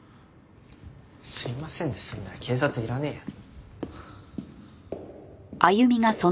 すいませんで済んだら警察いらねえよ。